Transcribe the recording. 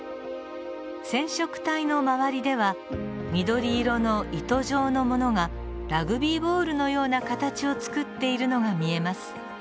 染色体の周りでは緑色の糸状のものがラグビーボールのような形を作っているのが見えます。